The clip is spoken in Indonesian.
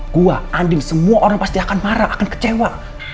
gue andi semua orang pasti akan marah akan kecewa